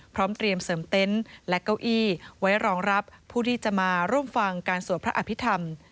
พร้อมเตรียมเสริมเต็นต์และเก้าอี้ไว้รองรับผู้ที่จะมาร่วมฟังการสวดพระอภิษฐรรม